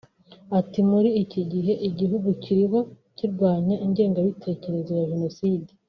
Ati”Muri iki gihe igihugu kiriho kirwanya ingengabitekerezo ya Jenoside